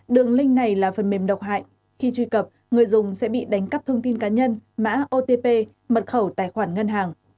đường link này là phần mềm độc hại khi truy cập người dùng sẽ bị đánh cắp thông tin cá nhân mã otp mật khẩu tài khoản ngân hàng